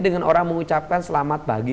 dengan orang mengucapkan selamat pagi